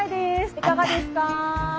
いかがですか。